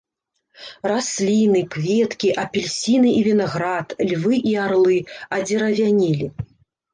Расліны, кветкі, апельсіны і вінаград, львы і арлы адзеравянелі.